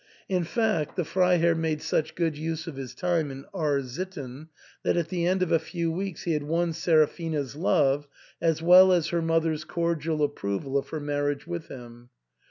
In fact, the Freiherr made such good use of his time in R — sitten that, at the end of a few weeks, he had won Seraphina's love as well as her mother's cordial approval of her marriage with him.